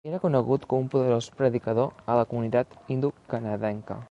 Era conegut com un poderós predicador a la comunitat indocanadenca.